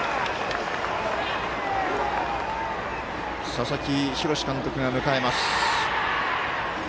佐々木洋監督が迎えます。